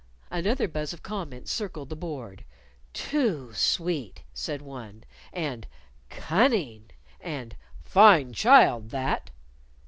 Another buzz of comment circled the board. "Too sweet!" said one; and, "Cunning!" and "Fine child, that!"